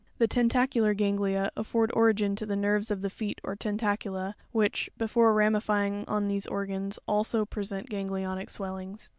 The tentacular ganglia afford origin to the nerves of the feet or ten tacula, which, before ramifying on these organs, also present ganglionic swellings.